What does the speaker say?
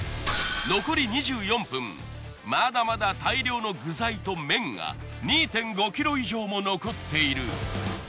残り２４分まだまだ大量の具材と麺が２．５ｋｇ以上も残っている。